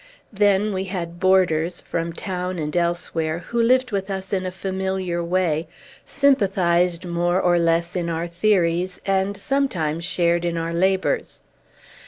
Then we had boarders, from town and elsewhere, who lived with us in a familiar way, sympathized more or less in our theories, and sometimes shared in our labors.